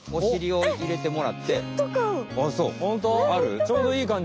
ちょうどいいかんじ？